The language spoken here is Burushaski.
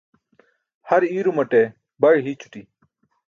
Har iirumaṭe baẏ hićuṭi.